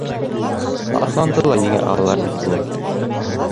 Арыҫланды ла еңә алалар бит улар!